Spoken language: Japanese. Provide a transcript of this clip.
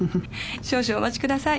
少々お待ちください。